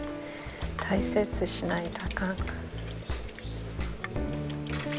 大切にしないと。